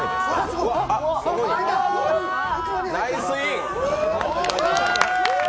ナイス・イン！